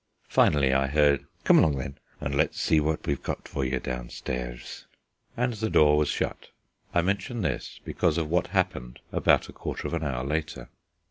Finally I heard "Come along then, and let's see what we've got for you downstairs," and the door was shut. I mention this because of what happened about a quarter of an hour later.